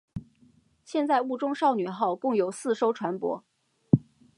现在雾中少女号共有四艘船舶。